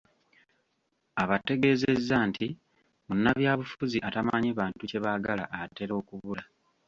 Abategeezeza nti munnabyabufuzi atamanyi bantu kye baagala atera okubula.